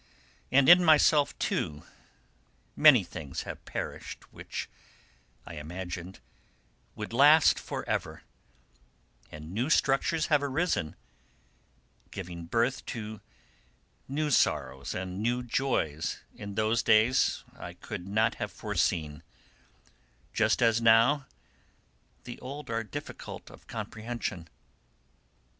And in myself, too, many things have perished which, I imagined, would last for ever, and new structures have arisen, giving birth to new sorrows and new joys which in those days I could not have foreseen, just as now the old are difficult of comprehension.